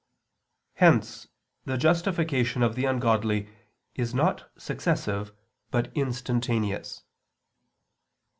Hence the justification of the ungodly is not successive, but instantaneous.